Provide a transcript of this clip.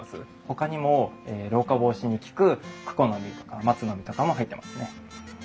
ほかにも老化防止に効くクコの実とか松の実とかも入ってますね。